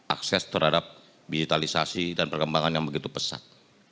akses terhadap digitalisasi dan perkembangan yang begitu pesat